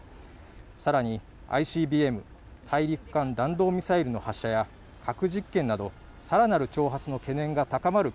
更にＩＣＢＭ＝大陸間弾道ミサイルの発射や核実験などさらなる挑発の懸念が高まる